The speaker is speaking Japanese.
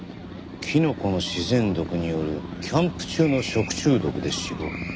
「キノコの自然毒によるキャンプ中の食中毒で死亡」。